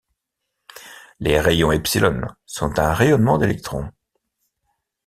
Les rayons epsilon sont un rayonnement d'électrons.